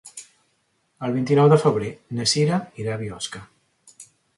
El vint-i-nou de febrer na Cira irà a Biosca.